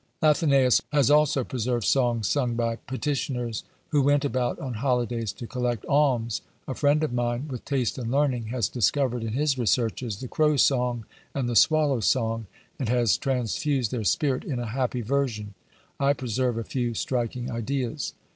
AthenÃḊus has also preserved songs, sung by petitioners who went about on holidays to collect alms. A friend of mine, with taste and learning, has discovered in his researches "The Crow Song" and "The Swallow Song," and has transfused their spirit in a happy version. I preserve a few striking ideas.